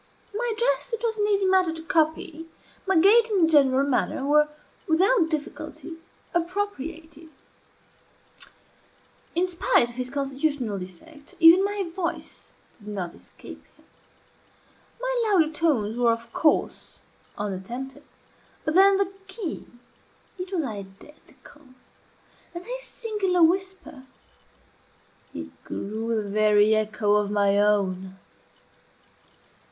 My dress it was an easy matter to copy; my gait and general manner were, without difficulty, appropriated; in spite of his constitutional defect, even my voice did not escape him. My louder tones were, of course, unattempted, but then the key, it was identical; _and his singular whisper, it grew the very echo of my own.